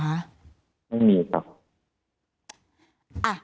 ไม่มีครับ